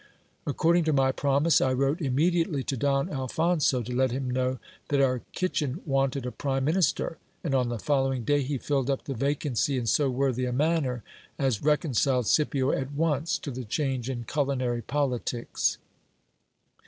Ac cording to my promise I wrote immediately to Don Alphonso, to let him know that our kitchen wanted a prime minister ; and on the following day he filled up the vacancy in so worthy a manner, as reconciled Scipio at once to the change in culinary politics.